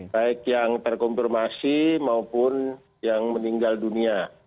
baik yang terkonfirmasi maupun yang meninggal dunia